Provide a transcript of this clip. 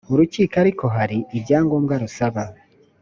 urukiko ariko hari ibyangombwa rusaba